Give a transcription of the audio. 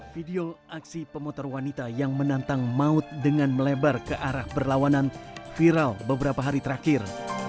video aksi pemotor wanita yang menantang maut dengan melebar ke arah berlawanan viral beberapa hari terakhir